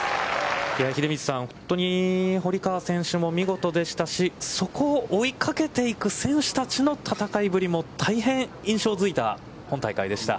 秀道さん、本当に堀川選手も見事でしたし、そこを追いかけていく選手たちの戦いぶりも大変印象づいた本大会でした。